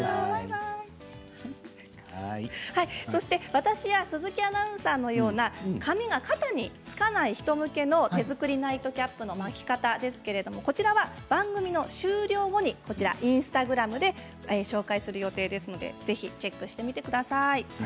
私や鈴木アナウンサーのような髪が肩につかない人向けの手作りナイトキャップの巻き方ですけれど番組の終了後にインスタグラムで紹介する予定ですのでぜひチェックしてみてください。